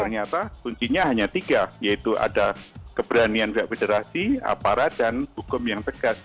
ternyata kuncinya hanya tiga yaitu ada keberanian pihak federasi aparat dan hukum yang tegas